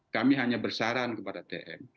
kami hanya bersaran kepada tm